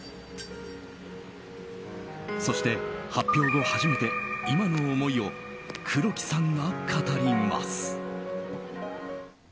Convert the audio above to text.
そして発表後初めて今の思いを黒木さんが語ります。